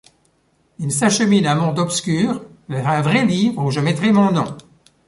Il s'achemine un monde obscur vers un vrai livre où je mettrai mon nom.